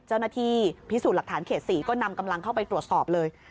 เจ้าหน้าที่พิสูจน์หลักฐานเขต๔ก็นำกำลังเข้าไปตรวจสอบเลย